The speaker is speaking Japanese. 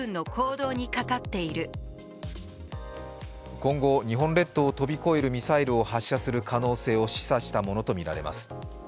今後、日本列島を飛び越えるミサイルを発射する可能性を示唆したものとみられます。